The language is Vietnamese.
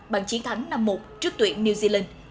bằng chiến thắng năm một trước tuyển new zealand